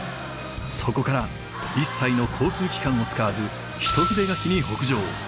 そこから一切の交通機関を使わず一筆書きに北上。